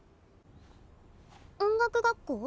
音楽学校？